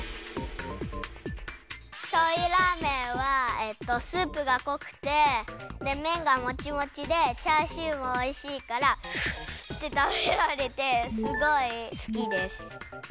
しょうゆラーメンはスープがこくてでめんがモチモチでチャーシューもおいしいからズズッてたべられてすごいすきです。